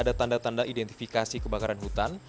jika nanti ditemukan ada tanda tanda identifikasi kebakaran hutan